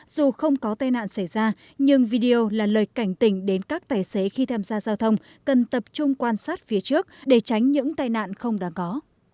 dù không có tai nạn xảy ra nhưng video là lời cảnh tỉnh đến các tài xế khi tham gia giao thông cần tập trung quan sát phía trước để tránh những tai nạn không đáng có